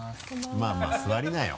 まぁまぁ座りなよ。